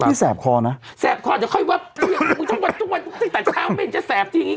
พี่แสบคอนะแสบคออยู่แต่เช้าเม็ดจะแสบที่นี้